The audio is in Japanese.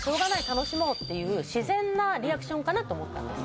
楽しもうっていう自然なリアクションかなと思ったんです